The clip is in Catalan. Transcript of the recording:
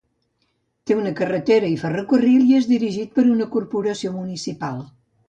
Té una carretera i ferrocarril i és dirigit per una corporació municipal.